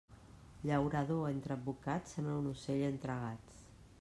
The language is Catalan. Llaurador entre advocats, sembla un ocell entre gats.